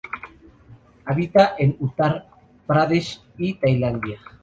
Habita en Uttar Pradesh y Tailandia.